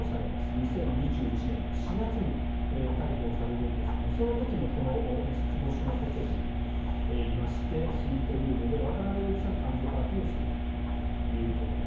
２０２１年４月に逮捕されるんですがその時もこの５つ星のホテルにいましてスイートルームで渡邉容疑者の誕生パーティーをしていたということです。